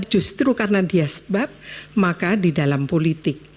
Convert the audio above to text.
justru karena dia sebab maka di dalam politik